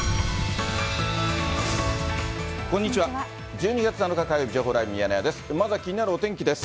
１２月７日火曜日、情報ライブミヤネ屋です。